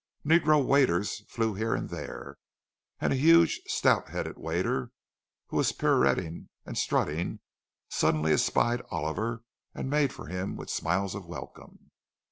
Negro waiters flew here and there, and a huge, stout head waiter, who was pirouetting and strutting, suddenly espied Oliver, and made for him with smiles of welcome.